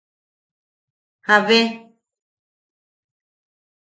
¿A bweʼe?